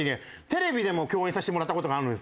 テレビでも共演させてもらった事があるんですよ。